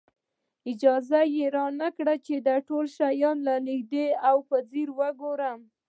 اجازه را نه کړي چې دا ټول شیان له نږدې او په ځیر وګورم.